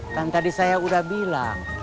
kan tadi saya udah bilang